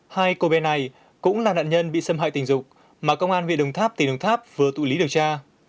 hai cô bé này cũng là nạn nhân bị xâm hại tình dục mà công an huyện đồng tháp tỉnh đồng tháp vừa tụ lý điều tra